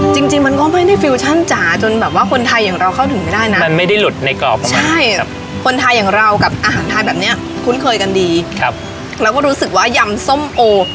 จริงจริงมันก็ไม่ได้ฟิวชั่นจ๋าจนแบบว่าคนไทยอย่างเราเข้าถึงไม่ได้นะมันไม่ได้หลุดในกรอบของเราใช่คนไทยอย่างเรากับอาหารไทยแบบเนี้ยคุ้นเคยกันดีครับแล้วก็รู้สึกว่ายำส้มโอ